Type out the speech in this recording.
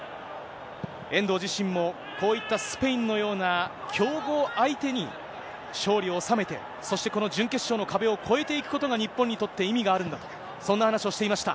遠藤自身もこういったスペインのような強豪相手に、勝利を収めて、そしてこの準決勝の壁を越えていくことが日本にとって意味があるんだと、そんな話をしていました。